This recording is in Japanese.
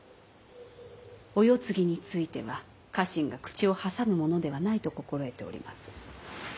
お世継ぎについては家臣が口を挟むものではないと心得ておりまする。